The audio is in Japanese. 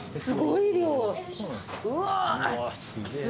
すごい。